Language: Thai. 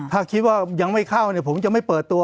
ถ้าคิดว่ายังไม่เข้าผมจะไม่เปิดตัว